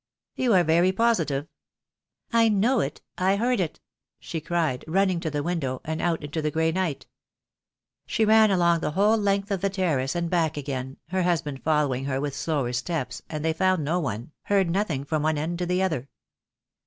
"You are very positive." "I know it, I heard it!" she cried, running to the window, and out into the grey night. She ran along the whole length of the terrace and back again, her husband following her with slower steps, and they found no one, heard nothing from one end to the other.